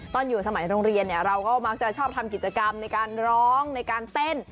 ตอนอยู่สมัยโรงเรียนเนี่ยเราก็มักจะชอบทำกิจกรรมในการร้องในการเต้น